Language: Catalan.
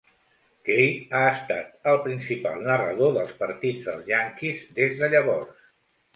Kay ha estat el principal narrador dels partits dels Yankees des de llavors.